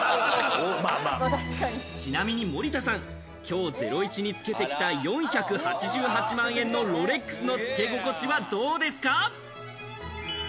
ちなみに森田さん、きょう『ゼロイチ』につけてきた４８８万円のロレックスのつけ心地はどうですか？